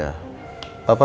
papa ingin ketemu sama mama